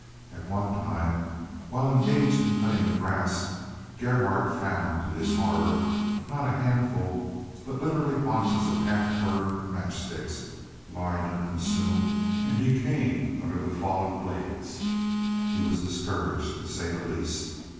At one time, while engaged in cutting the grass, Gerhardt found, to his horror, not a handful, but literally boxes of half burned match sticks lying unconsumed and decaying under the fallen blades. He was discouraged, to say the least.